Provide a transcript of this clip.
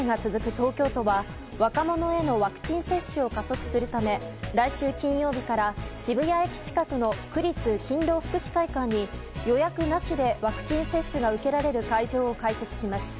東京都は若者へのワクチン接種を加速するため来週金曜日から渋谷駅近くの区立勤労福祉会館に予約なしでワクチン接種が受けられる会場を開設します。